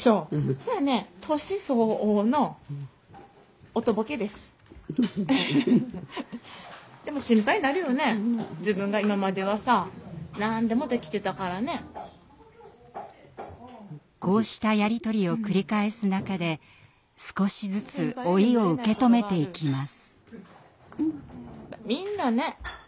それはねこうしたやり取りを繰り返す中で少しずつ老いを受け止めていきます。